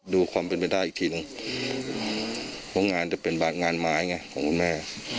ดูความเป็นไปได้อีกทีหนึ่งเพราะงานจะเป็นงานไม้ไงของคุณแม่